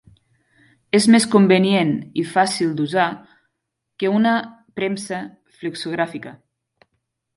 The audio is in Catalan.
És més convenient i fàcil d'usar que una premsa flexogràfica.